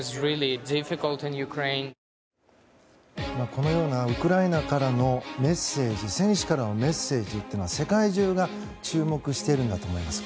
このようなウクライナからのメッセージ選手からのメッセージというのは世界中が注目しているんだと思います。